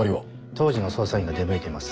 当時の捜査員が出向いてます。